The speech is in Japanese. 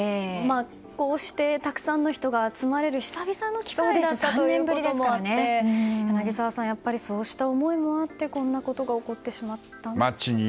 こうしてたくさんの人が集まれる、久々の機会だったということもあって柳澤さん、そうした思いもあってこんなことが起こってしまったんでしょうかね。